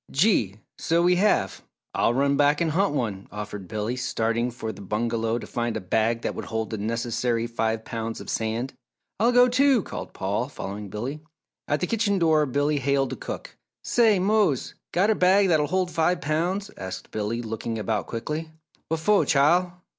"Gee! So we have I'll run back and hunt one," offered Billy, starting for the bungalow to find a bag that would hold the necessary five pounds of sand. "I'll go, too!" called Paul, following Billy. At the kitchen door, Billy hailed the cook. "Say, Mose, got a bag that'll hold five pounds?" asked Billy, looking about quickly. "Wha'fo', Chile?"